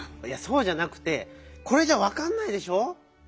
いやそうじゃなくてこれじゃわかんないでしょ？